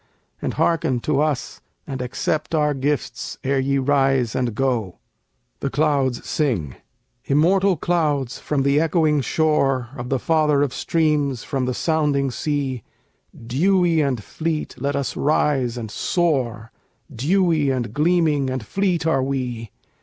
And hearken to us, and accept our gifts ere ye rise and go. THE CLOUDS SING Immortal Clouds from the echoing shore Of the father of streams from the sounding sea, Dewy and fleet, let us rise and soar; Dewy and gleaming and fleet are we!